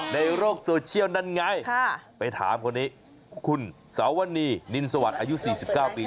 ในโลกโซเชียลนั่นไงไปถามคนนี้คุณสาวนีนินสวัสดิ์อายุ๔๙ปี